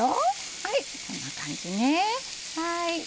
はいこんな感じね。